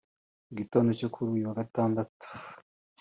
Mu gitondo cyo kuri uyu wa Gandatatu